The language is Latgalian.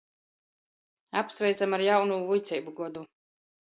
Apsveicam ar jaunū vuiceibu godu!